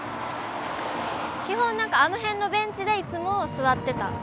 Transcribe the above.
基本何かあの辺のベンチでいつも座ってた。